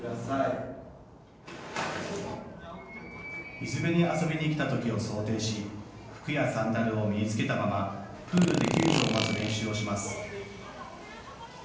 水辺に遊びに来たときを想定し服やサンダルを身に着けたままプールで救助を待つ練習をします。